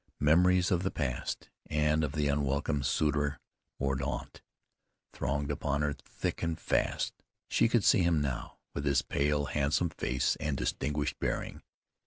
Memories of the past, and of the unwelcome suitor, Mordaunt, thronged upon her thick and fast. She could see him now with his pale, handsome face, and distinguished bearing.